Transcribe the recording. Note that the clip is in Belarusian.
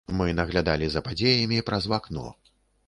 Мы наглядалі за падзеямі праз вакно.